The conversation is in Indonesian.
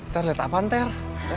ter liat apaan ter